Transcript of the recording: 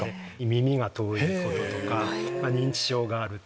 耳が遠いとか認知症があるとか。